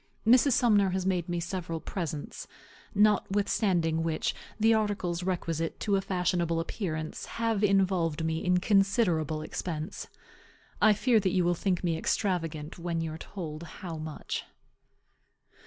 Mrs. Sumner has made me several presents; notwithstanding which, the articles requisite to a fashionable appearance have involved me in considerable expense. I fear that you will think me extravagant when you are told how much.